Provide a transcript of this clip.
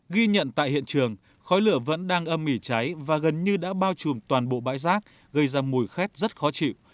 ghi nhận tại hiện trường khói lửa vẫn đang âm mỉ cháy và gần như đã bao trùm toàn bộ bãi rác gây ra mùi khét rất khó chịu